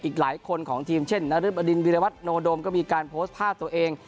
อีกหลายคนของทีมเช่นนรึบดินวิรวัตโนโดมก็มีการโพสต์ภาพตัวเอง